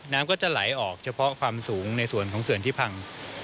น้ำก็จะไหลออกเฉพาะความสูงในส่วนของเขื่อนที่พัง